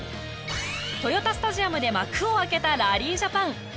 豊田スタジアムで幕を開けたラリージャパン。